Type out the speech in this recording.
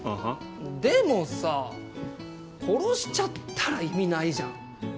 でもさ殺しちゃったら意味ないじゃん。